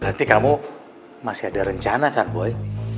berarti kamu masih ada rencana kan boy